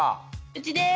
うちです。